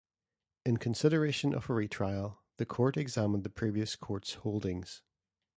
In consideration of a retrial, the court examined the previous court's holdings.